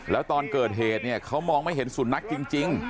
แล้วตอนเกิดเหตุเนี่ยเขามองไม่เห็นสุนัขจริง